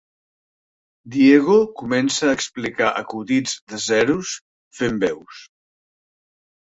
Diego comença a explicar acudits de zeros fent veus.